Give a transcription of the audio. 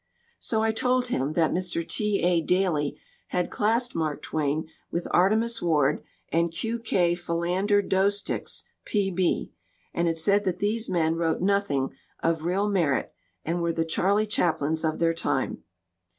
So I told him that Mr. T. A. Daly had classed Mark Twain with Artemus Ward and Q.K. Philander Doesticks,P.B.,and had said that these men wrote nothing of real merit and were "the Charlie Chaplins of their time."